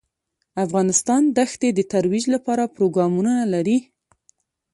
افغانستان د ښتې د ترویج لپاره پروګرامونه لري.